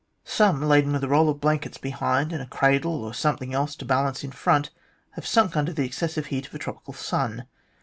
Some, laden with a roll of blankets behind and a cradle or something else to balance in front, have sunk under the excessive heat of a tropical sun.